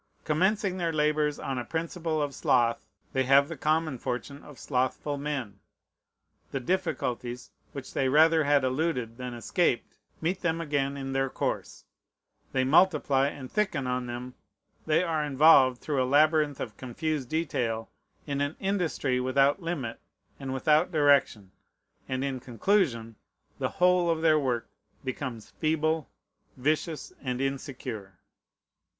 Commencing their labors on a principle of sloth, they have the common fortune of slothful men. The difficulties, which they rather had eluded than escaped, meet them again in their course; they multiply and thicken on them; they are involved, through a labyrinth of confused detail, in an industry without limit and without direction; and in conclusion, the whole of their work becomes feeble, vicious, and insecure.